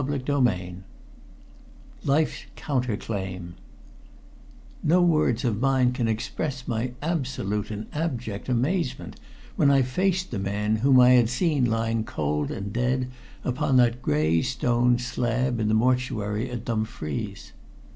CHAPTER VIII LIFE'S COUNTER CLAIM No words of mine can express my absolute and abject amazement when I faced the man, whom I had seen lying cold and dead upon that gray stone slab in the mortuary at Dumfries.